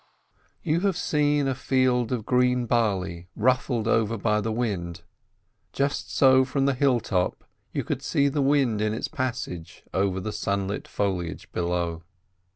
You have seen a field of green barley ruffled over by the wind, just so from the hill top you could see the wind in its passage over the sunlit foliage beneath.